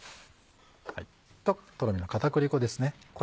とろみの片栗粉ですね。